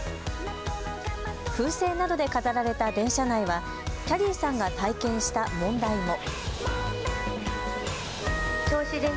風船などで飾られた電車内はきゃりーさんが体験した問題も。